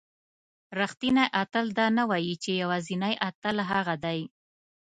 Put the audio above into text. رښتینی اتل دا نه وایي چې یوازینی اتل هغه دی.